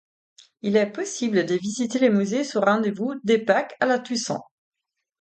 Il est possible de visiter le musée sur rendez-vous de Pâques à la Toussaint.